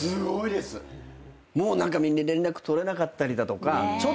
もう連絡とれなかったりだとか。